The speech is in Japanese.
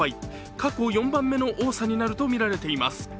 過去４番目の多さになるとみられています。